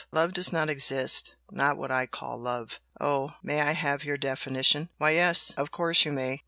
love does not exist not what I call love!" "Oh! May I have your definition?" "Why yes! of course you may!